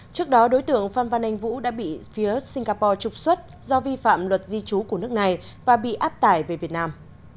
trước đó đối tượng phan văn anh vũ đã bị phía singapore trục xuất do vi phạm luật di trú của nước này và bị áp tải về việt nam